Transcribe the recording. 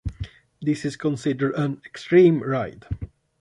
This is considered an Extreme Ride.